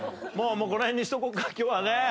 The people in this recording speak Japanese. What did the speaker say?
もうこの辺にしとこうか今日はね。